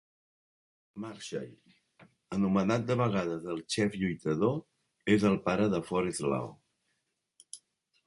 Marshall, anomenat de vegades "El xef lluitador", és el pare de Forest Law.